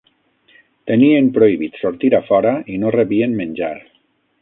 Tenien prohibit sortir a fora i no rebien menjar.